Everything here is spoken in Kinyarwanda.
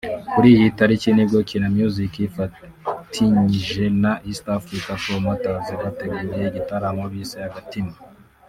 Kuri iyi tariki nibwo Kina Music ifatinyije na East African Promoters bateguye igitaramo bise Agatima